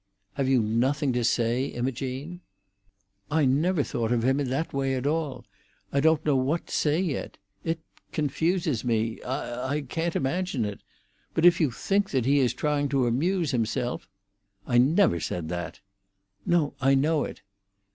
"Have you nothing to say, Imogene?" "I never thought of him in that way at all. I don't know what to say yet. It—confuses me. I—I can't imagine it. But if you think that he is trying to amuse himself——" "I never said that!" "No, I know it."